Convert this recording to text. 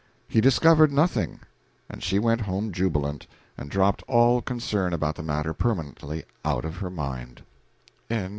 He discovered nothing; and she went home jubilant, and dropped all concern about the matter permanently out of her mind.